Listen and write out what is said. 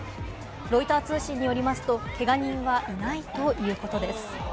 ロイター通信によりますと、けが人はいないということです。